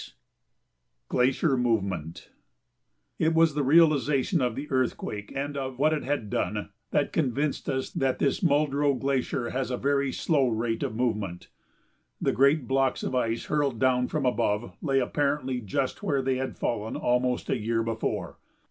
[Sidenote: Glacier Movement] It was the realization of the earthquake and of what it had done that convinced us that this Muldrow Glacier has a very slow rate of movement. The great blocks of ice hurled down from above lay apparently just where they had fallen almost a year before.